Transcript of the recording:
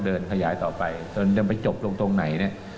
เดินขยายต่อไปจนจะไปจบลงตรงไหนเนี่ย